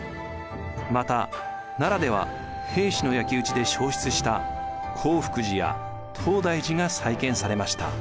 また奈良では平氏の焼き打ちで焼失した興福寺や東大寺が再建されました。